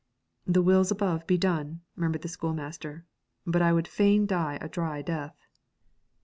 'The wills above be done,' murmured the schoolmaster, 'but I would fain die a dry death.'